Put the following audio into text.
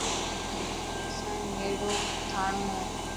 اسانڻي نيڙو ٿانڙو هي.